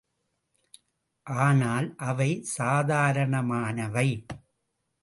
ஆனால், அவை சாதாரணமானவை.